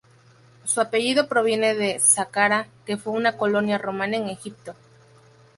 Su apellido proviene de Saqqara, que fue una Colonia romana en Egipto.